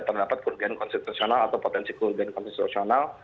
terdapat kurbian konstitusional atau potensi kurbian konstitusional